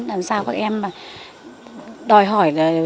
đằng sau các em mà đòi hỏi là